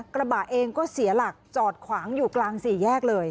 กระบะเองก็เสียหลักจอดขวางอยู่กลางสี่แยกเลย